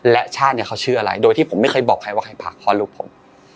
และชาติเนี่ยเขาชื่ออะไรโดยที่ผมไม่เคยบอกใครว่าใครผลักพ่อลูกผม